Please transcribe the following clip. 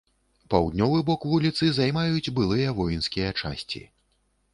Паўднёвы бок вуліцы займаюць былыя воінскія часці.